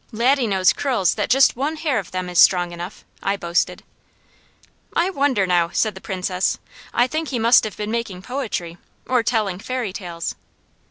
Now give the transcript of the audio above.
"Laddie knows curls that just one hair of them is strong enough," I boasted. "I wonder now!" said the Princess. "I think he must have been making poetry or telling Fairy tales."